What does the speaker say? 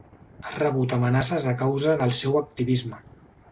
Ha rebut amenaces a causa del seu activisme.